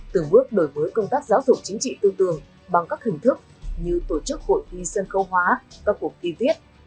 từng bước đổi mới công tác giáo dục chính trị tư tường bằng các hình thức như tổ chức hội thi sân khâu hóa các cuộc thi viết